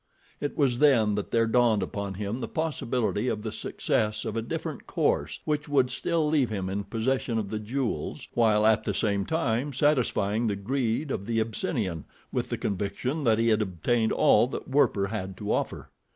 It was then that there dawned upon him the possibility of the success of a different course which would still leave him in possession of the jewels, while at the same time satisfying the greed of the Abyssinian with the conviction that he had obtained all that Werper had to offer.